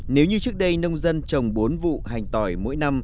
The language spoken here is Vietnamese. nếu như trước đây nông dân trồng bốn vụ hành tỏi mỗi năm